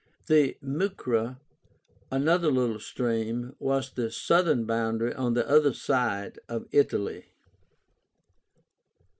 The Mucra, another little stream, was the southern boundary on the other side of Italy.